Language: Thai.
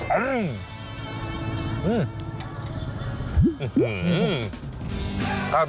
อื้อขั้มไป